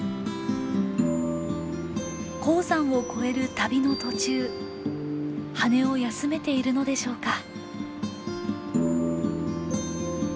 高山を越える旅の途中羽を休めているのでしょうか？